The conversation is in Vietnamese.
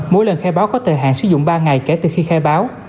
mỗi lần khai báo có thời hạn sử dụng ba ngày kể từ khi khai báo